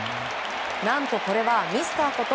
何とこれはミスターこと